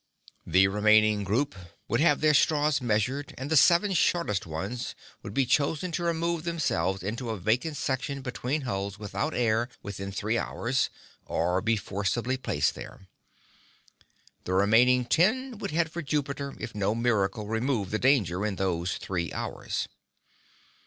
The remaining group would have their straws measured, and the seven shortest ones would be chosen to remove themselves into a vacant section between hulls without air within three hours, or be forcibly placed there. The remaining ten would head for Jupiter if no miracle removed the danger in those three hours.